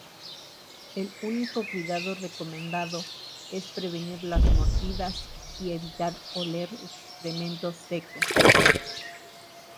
El único cuidado recomendado es prevenir las mordidas y evitar oler excrementos secos.